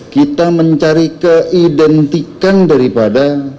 kita mencari keidentikan daripada